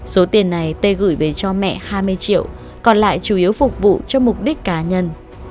số tiền này tê gửi về cho mẹ hai mươi triệu còn lại chủ yếu phục vụ cho mục đích cá nhân